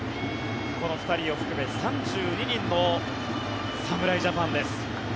この２人を含め３２人の侍ジャパンです。